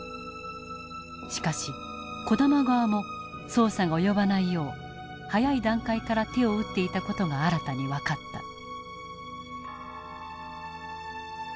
しかし児玉側も捜査が及ばないよう早い段階から手を打っていた事が新たに分かった。